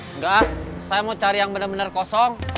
engga saya mau cari yang bener bener kosong